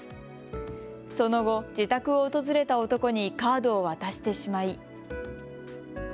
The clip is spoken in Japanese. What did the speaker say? その後、自宅を訪れた男にカードを渡してしまい。